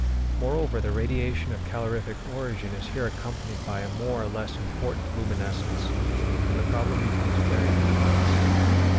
Moreover, the radiation of calorific origin is here accompanied by a more or less important luminescence, and the problem becomes very complex.